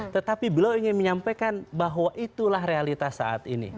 tetapi beliau ingin menyampaikan bahwa itulah realitas saat ini